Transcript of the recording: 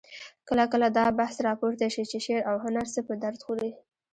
کله کله دا بحث راپورته شي چې شعر او هنر څه په درد خوري؟